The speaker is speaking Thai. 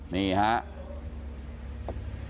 นี่นะครับ